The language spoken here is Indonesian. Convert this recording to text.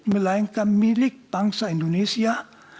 melainkan milik bangsa indonesia